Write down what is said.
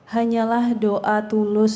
hanyalah doa tulus